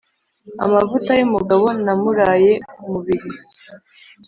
Amavuta y’umugabo na muraye ku mubiri.